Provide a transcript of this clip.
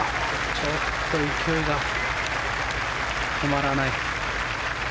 ちょっと勢いが止まらない。